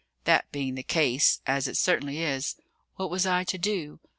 That being the case as it certainly is what was I to do?